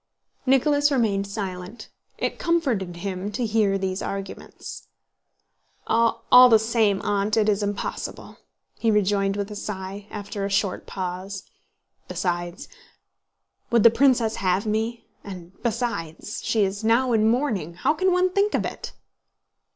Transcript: Nicholas remained silent. It comforted him to hear these arguments. "All the same, Aunt, it is impossible," he rejoined with a sigh, after a short pause. "Besides, would the princess have me? And besides, she is now in mourning. How can one think of it!"